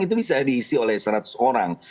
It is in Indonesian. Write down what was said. itu bisa diisi oleh seratus orang